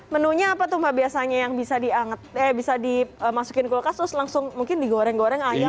menunya apa tuh mbak biasanya yang bisa dimasukin kulkas terus langsung mungkin digoreng goreng ayam